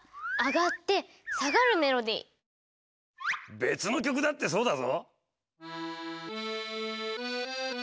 別の曲だってそうだぞ。